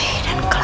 pada roy dan clara